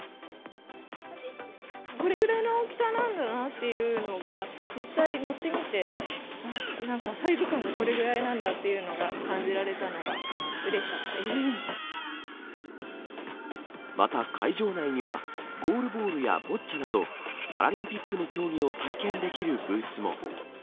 これぐらいの大きさなんだなっていうのが実際乗ってみて、あっ、なんか、サイズ感がこれぐらいなんだっていうのが感じられたのがうれしかまた会場内には、ゴールボールやボッチャなど、パラリンピックの競技を体験できるブースも。